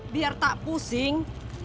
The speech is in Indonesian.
biar tak pusing